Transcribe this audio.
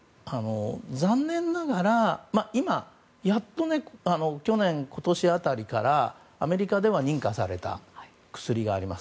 残念ながら今、やっと去年、今年辺りからアメリカでは認可された薬があります。